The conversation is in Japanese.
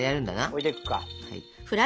置いていくか。